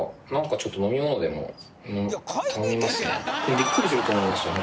びっくりすると思うんですよね。